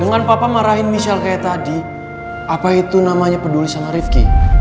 dengan papa marahin misal kayak tadi apa itu namanya peduli sama rifqi